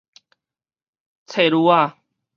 冊鑢仔